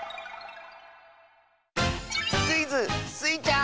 クイズ「スイちゃん」！